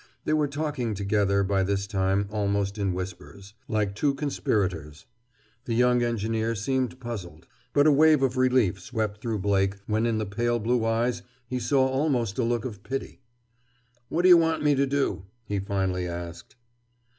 They were talking together, by this time, almost in whispers, like two conspirators. The young engineer seemed puzzled. But a wave of relief swept through Blake when in the pale blue eyes he saw almost a look of pity. "What d' you want me to do?" he finally asked.